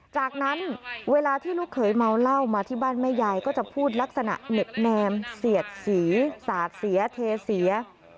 จากนั้นเวลาที่ลูกเขยเมาเหล้ามาที่บ้านแม่ยายก็จะพูดลักษณะเหน็บแนมเสียดสีสาดเสียเทเสีย